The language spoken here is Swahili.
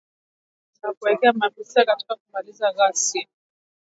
Na kuwaweka maafisa wa kijeshi katika harakati za kumaliza ghasia